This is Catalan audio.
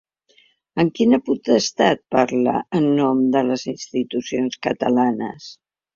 Amb quina potestat parla en nom de les institucions catalanes?